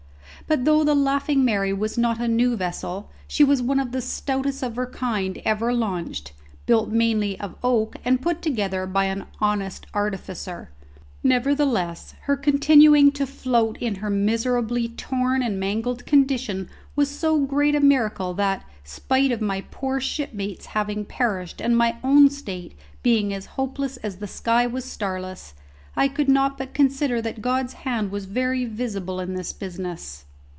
But though the Laughing Mary was not a new vessel, she was one of the stoutest of her kind ever launched, built mainly of oak and put together by an honest artificer. Nevertheless her continuing to float in her miserably torn and mangled condition was so great a miracle, that, spite of my poor shipmates having perished and my own state being as hopeless as the sky was starless, I could not but consider that God's hand was very visible in this business.